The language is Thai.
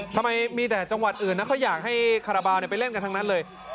ทำไมมีแต่จังหวัดอื่นนะเขาอยากให้คาราบาลไปเล่นกันทั้งนั้นเลย